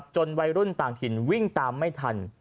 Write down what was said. วัยรุ่นต่างถิ่นวิ่งตามไม่ทัน